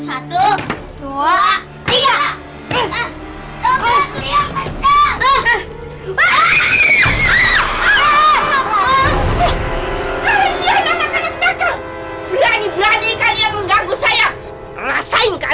aku juga bilangkan yang bener bener kita harus bisa keluar dari sini